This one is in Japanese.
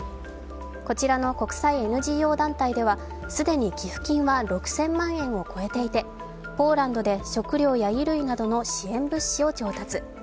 こちらの国際ＮＧＯ団体では既に寄付金は６０００万円を超えていて、ポーランドで食料や衣類などの支援物資を調達。